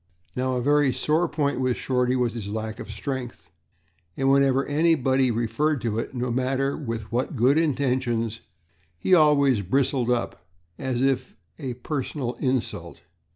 Now, a very sore point with Shorty was his lack of strength, and whenever anybody referred to it, no matter with what good intentions, he always bristled up as if at a personal insult.